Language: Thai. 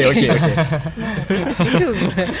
โอเค